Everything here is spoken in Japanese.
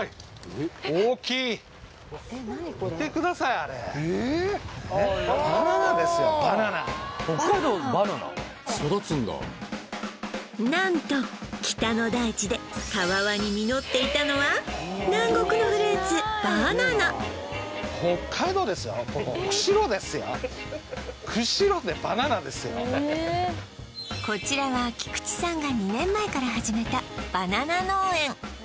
あバナナだ何と北の大地でたわわに実っていたのはこちらは菊池さんが２年前から始めたバナナ農園